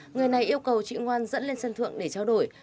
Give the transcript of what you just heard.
người này yêu cầu chị ngoan dẫn lên sân thượng để trao đổi